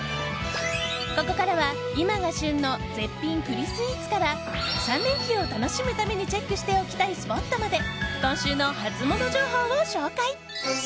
ここからは今が旬の絶品栗スイーツから３連休を楽しむためにチェックしておきたいスポットまで今週のハツモノ情報を紹介！